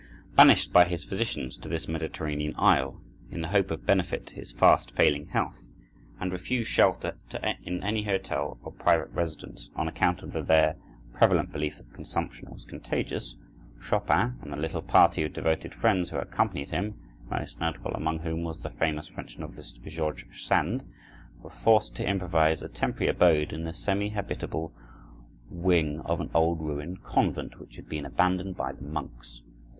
Banished by his physicians to this Mediterranean isle, in the hope of benefit to his fast failing health, and refused shelter in any hotel or private residence, on account of the there prevalent belief that consumption was contagious, Chopin and the little party of devoted friends who accompanied him (most notable among whom was the famous French novelist, George Sand) were forced to improvise a temporary abode in the semi habitable wing of an old ruined convent, which had been abandoned by the monks.